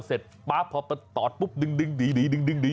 เสร็จปั๊บพอมันตอดปุ๊บดึงหนี